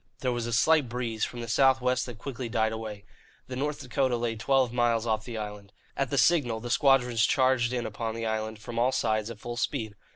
There was a slight breeze from the south west that quickly died away. The North Dakota lay twelve miles off the island. At the signal the squadrons charged in upon the island, from all sides, at full speed.